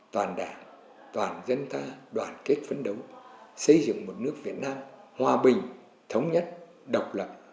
toàn đảng toàn dân ta đoàn kết phấn đấu xây dựng một nước việt nam hòa bình thống nhất độc lập